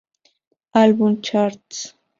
Album Charts